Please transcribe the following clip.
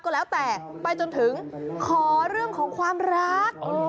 ก็แล้วแต่ไปจนถึงขอเรื่องของความรัก